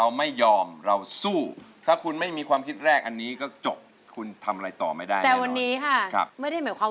แล้วก็ครึ่งหนึ่งน้ำขีงได้เงินกลับบ้านไปหนึ่งหมื่นบาทค่ะ